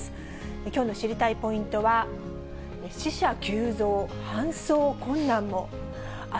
きょうの知りたいポイントは、死者急増、搬送困難も。